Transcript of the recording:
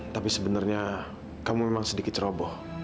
tapi sebenarnya kamu memang sedikit roboh